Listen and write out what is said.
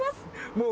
もう。